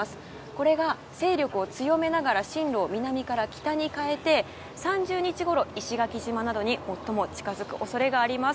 これが勢力を強めながら進路を南から北に変えて３０日ごろ、石垣島などに最も近づく恐れがあります。